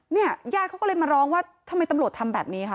ญาติเขาก็เลยมาร้องว่าทำไมตำรวจทำแบบนี้ค่ะ